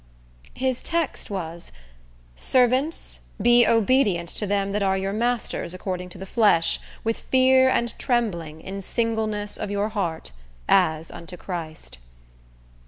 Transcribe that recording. His text was, "Servants, be obedient to them that are your masters according to the flesh, with fear and trembling, in singleness of your heart, as unto Christ."